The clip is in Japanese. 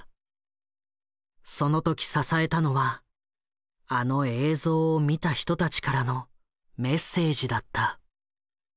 その時支えたのはあの映像を見た人たちからのメッセージだった。